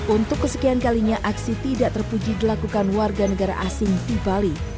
untuk kesekian kalinya aksi tidak terpuji dilakukan warga negara asing di bali